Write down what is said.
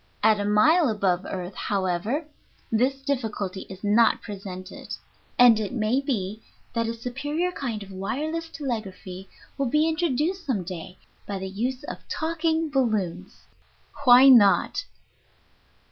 At a mile above earth, however, this difficulty is not presented, and it may be that a superior kind of wireless telegraphy will be introduced some day by the use of talking balloons. Why not?